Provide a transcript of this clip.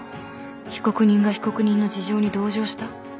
被告人が被告人の事情に同情した？